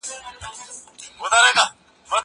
ته ولي د کتابتون کار کوې!.